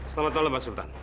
selamat malam mbak sultan